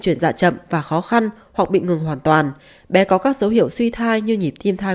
truyền dạ chậm và khó khăn hoặc bị ngừng hoàn toàn bé có các dấu hiệu suy thai như nhịp tim thai